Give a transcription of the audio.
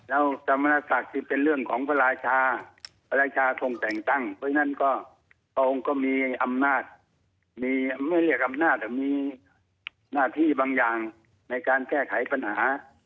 แล้วสมณศักดิ์ที่เป็นเรื่องของพระราชาพระราชาทรงแต่งตั้งเพราะฉะนั้นก็พระองค์ก็มีอำนาจมีไม่เรียกอำนาจแต่มีหน้าที่บางอย่างในการแก้ไขปัญหา